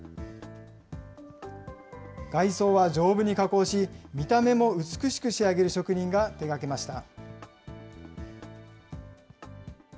外装は丈夫に加工し、見た目も美しく仕上げる職人が手がけました。